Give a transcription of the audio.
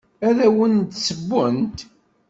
Ad awen-d-ssewwent.